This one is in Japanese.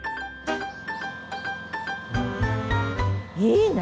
いいね